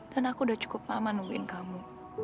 dan aku udah cukup lama nungguin kamu